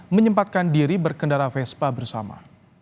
menyempatkan diri berkendara vespa bersama